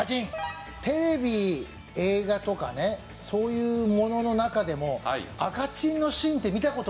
テレビ映画とかねそういうものの中でも赤チンのシーンって見た事ないので。